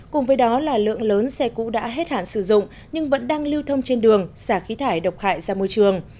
cùng với đó là lượng lớn xe cũ đã hết hạn sử dụng nhưng vẫn đang lưu thông trên đường xả khí thải độc hại ra môi trường